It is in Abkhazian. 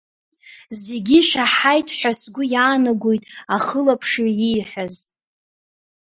Зегьы ишәаҳаит ҳәа сгәы иаанагоит ахылаԥшҩы ииҳәаз.